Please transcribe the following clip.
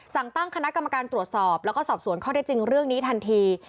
ตั้งคณะกรรมการตรวจสอบแล้วก็สอบสวนข้อได้จริงเรื่องนี้ทันที